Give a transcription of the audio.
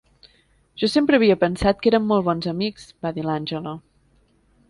"Jo sempre havia pensat que eren molt bons amics", va dir l'Angela.